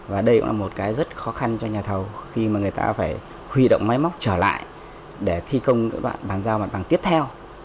và đây cũng là một cái rất khó khăn cho nhà thầu khi mà người ta phải huy động máy móc trở lại để thi công các đoạn bàn giao mặt bằng tiếp theo